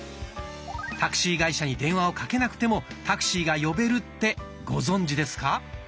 タクシー会社に電話をかけなくてもタクシーが呼べるってご存じですか？